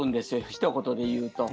ひと言で言うと。